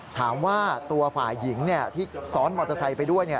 ถามว่าตัวฝ่ายหญิงที่ซ้อนมอเตอร์ไซค์ไปด้วย